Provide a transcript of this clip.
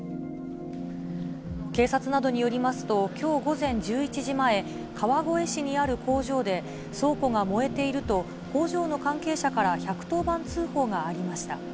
警察などによりますと、きょう午前１１時前、川越市にある工場で、倉庫が燃えていると、工場の関係者から１１０番通報がありました。